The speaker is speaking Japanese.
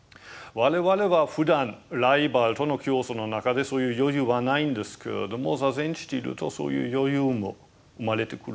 我々はふだんライバルとの競争の中でそういう余裕はないんですけれども坐禅しているとそういう余裕も生まれてくるんですね。